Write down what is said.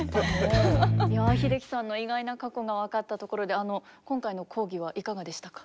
いや英樹さんの意外な過去が分かったところで今回の講義はいかがでしたか？